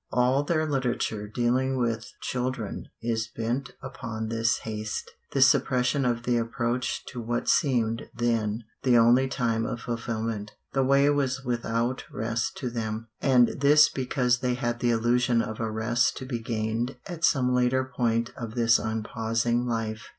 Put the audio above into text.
All their literature dealing with children is bent upon this haste, this suppression of the approach to what seemed then the only time of fulfilment. The way was without rest to them. And this because they had the illusion of a rest to be gained at some later point of this unpausing life.